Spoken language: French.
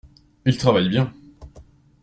Il travaille bien.